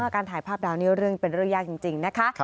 การถ่ายภาพดาวนี้เรื่องเป็นเรื่องยากจริงนะคะ